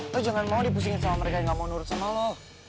lo jangan mau dipusingin sama mereka yang gak mau nurut sama lo